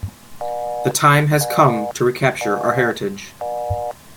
The time has come to recapture our heritage!